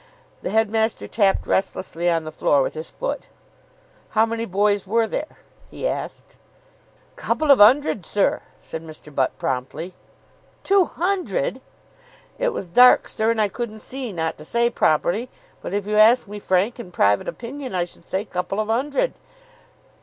The headmaster tapped restlessly on the floor with his foot. "How many boys were there?" he asked. "Couple of 'undred, sir," said Mr. Butt promptly. "Two hundred!" "It was dark, sir, and I couldn't see not to say properly; but if you ask me my frank and private opinion I should say couple of 'undred."